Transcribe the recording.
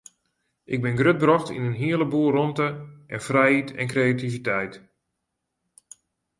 Ik bin grutbrocht yn in hele boel rûmte en frijheid en kreativiteit.